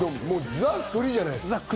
ザ・栗じゃないですか。